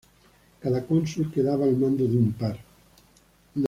Cada cónsul quedaba al mando de un par.